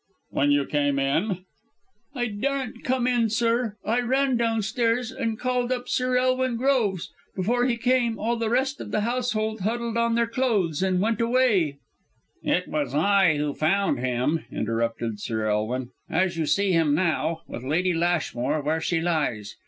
"When you came in?" "I daren't come in, sir! I ran downstairs and called up Sir Elwin Groves. Before he came, all the rest of the household huddled on their clothes and went away " "It was I who found him," interrupted Sir Elwin "as you see him now; with Lady Lashmore where she lies.